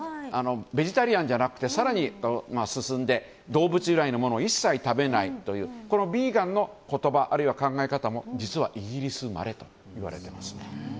ベジタリアンじゃなくて更に進んで動物由来のものを一切食べないというこのヴィーガンの言葉あるいは考え方も実はイギリス生まれといわれていますね。